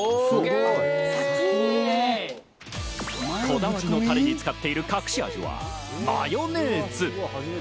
こだわりのタレに使っている隠し味はマヨネーズ。